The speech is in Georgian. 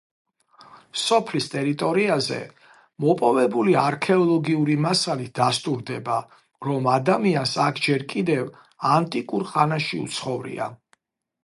სოფლის ტერიტორიაზე მოპოვებული არქეოლოგიური მასალით დასტურდება, რომ ადამიანს აქ ჯერ კიდევ ანტიკურ ხანაში უცხოვრია.